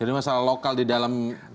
jadi masalah lokal di dalam institusi